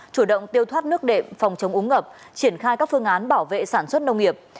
chủ động tiêu thoát nước đệm phòng chống úng ngập triển khai các phương án bảo vệ sản xuất nông nghiệp